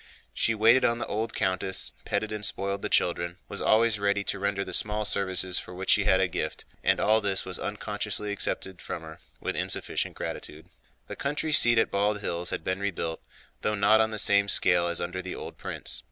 She waited on the old countess, petted and spoiled the children, was always ready to render the small services for which she had a gift, and all this was unconsciously accepted from her with insufficient gratitude. The country seat at Bald Hills had been rebuilt, though not on the same scale as under the old prince.